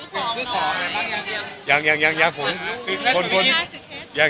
คุณตอนนี้เตรียมซื้อของไหมคน